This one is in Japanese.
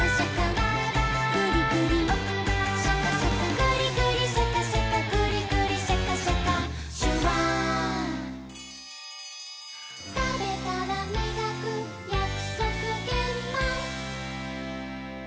「グリグリシャカシャカグリグリシャカシャカ」「シュワー」「たべたらみがくやくそくげんまん」